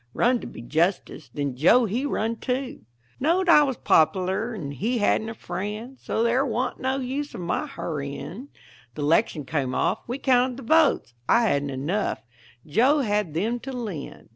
Run to be justice, then Joe he run, too; Knowed I was pop'lar and he hadn't a friend, So there wa'n't no use of my hurrying. The 'lection came off, we counted the votes; I hadn't enough; Joe had them to lend.